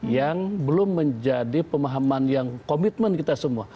yang belum menjadi pemahaman yang komitmen kita semua